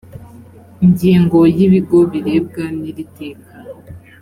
ingingo ya ibigo birebwa n iri teka